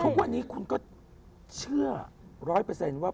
ทุกวันนี้คุณก็เชื่อ๑๐๐ว่า